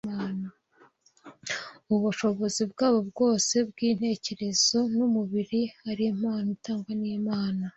’ubushobozi bwabo bwose bw’intekerezo n’umubiri ari impano itangwa n’Imana